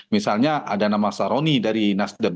misalnya ada nama saroni dari nasdem